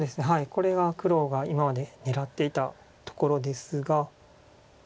これが黒が今まで狙っていたところですが。